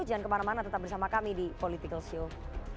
jangan kemana mana tetap bersama kami di political show